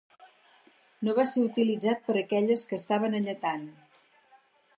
No ha de ser utilitzat per aquelles que estan alletant.